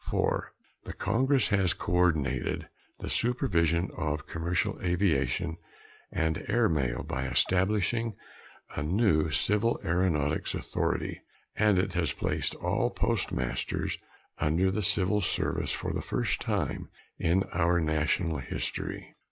(4) The Congress has coordinated the supervision of commercial aviation and air mail by establishing a new Civil Aeronautics Authority; and it has placed all postmasters under the civil service for the first time in our national history.